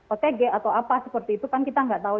otg atau apa seperti itu kan kita nggak tahu